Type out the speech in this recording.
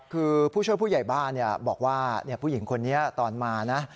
คือผู้ช่วยผู้ใหญ่บ้านบอกว่าผู้หญิงคนนี้ตอนมานะ